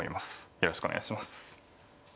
よろしくお願いします。